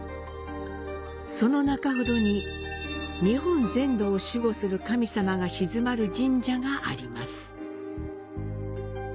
その中ほどに、日本全土を守護する神様が鎮まる神社があります。